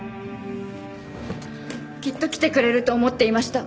きっと来てくれると思っていました。